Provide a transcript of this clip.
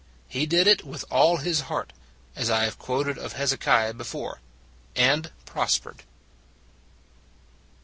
" He did it with all his heart," as I have quoted of Hezekiah before, " and pros pered."